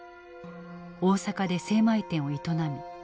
大阪で精米店を営み